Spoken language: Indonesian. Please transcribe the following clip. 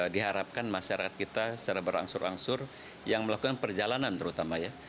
diharapkan masyarakat kita secara berangsur angsur yang melakukan perjalanan terutama ya